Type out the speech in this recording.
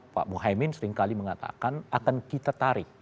pak muhaymin seringkali mengatakan akan kita tarik